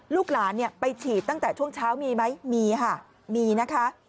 ลูกหลานเนี่ยไปฉีดตั้งแต่ช่วงเช้ามีไหมมีค่ะมีนะคะ